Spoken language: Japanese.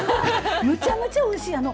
むちゃむちゃおいしい。